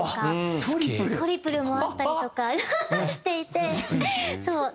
トリプルもあったりとかしていてそう。